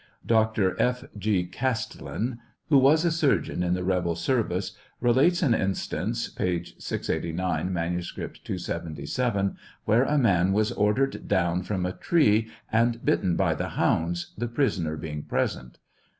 Oastlen, who was a surgeon in the rebel service, relates an instance (p. 689 ; manuscript, p. 277) where a man was ordered down from a tree and bitten by the hounds, the prisoner being present.